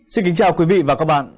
xin kính chào quý vị và các bạn